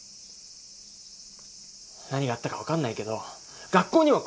何があったか分かんないけど学校には来いよ。